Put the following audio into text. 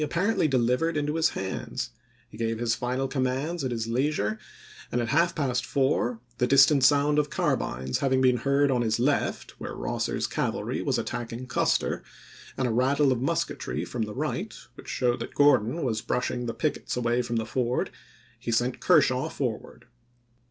19,1864, apparently delivered into his hands; he gave his final commands at his leisure, and at half past four, the distant sound of carbines having been heard on his left, where Bosser's cavalry was attacking Custer, and a rattle of musketry from the right, which showed that Gordon was brushing the pickets away from the ford, he sent Kershaw for ward.